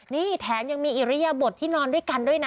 นี่แถมยังมีอิริยบทที่นอนด้วยกันด้วยนะ